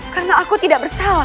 karena aku tidak bersalah